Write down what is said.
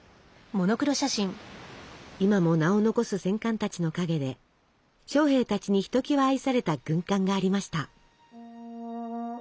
今も名を残す戦艦たちの陰で将兵たちにひときわ愛された軍艦がありました。